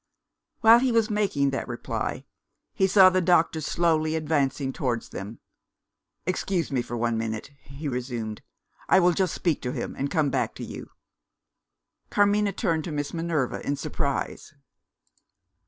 While he was making that reply, he saw the doctor slowly advancing towards them. "Excuse me for one minute," he resumed; "I will just speak to him, and come back to you." Carmina turned to Miss Minerva in surprise.